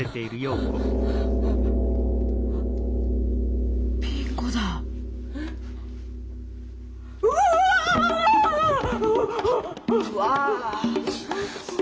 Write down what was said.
うわ。